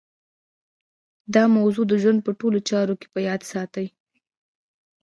دا موضوع د ژوند په ټولو چارو کې په یاد ساتئ